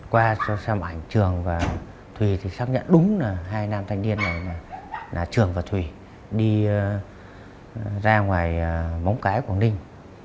qua xem ảnh trường và thùy thì xác nhận đúng là hai nam thanh niên là trường và thùy đi ra ngoài bóng cãi quảng ninh